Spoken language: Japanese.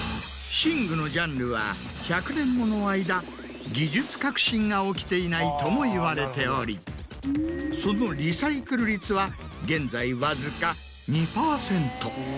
寝具のジャンルは１００年もの間技術革新が起きていないともいわれておりそのリサイクル率は現在わずか２％。